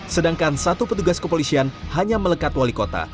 sedangkan satu petugas kepolisian hanya melekat wali kota